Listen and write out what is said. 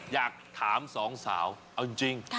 อยากถามสองสาวเอาจริง